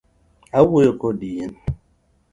Awuoyo kodi in.